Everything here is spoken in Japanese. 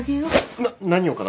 な何をかな？